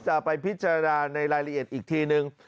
จะไปพิจารณาในรายละเอียดอีกทีนึง